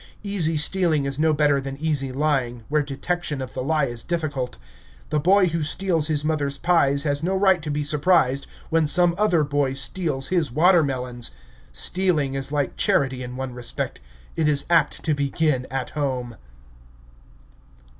Easy stealing is no better than easy lying, where detection of the lie is difficult. The boy who steals his mother's pies has no right to be surprised when some other boy steals his watermelons. Stealing is like charity in one respect, it is apt to begin at home.